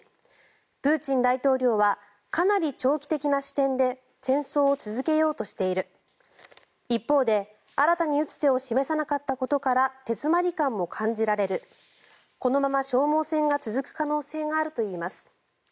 プーチン大統領はかなり長期的な視点で戦争を続けようとしている一方で、新たに打つ手を示さなかったことから手詰まり感も感じられるこのまま消耗戦が続く可能性があるといいます。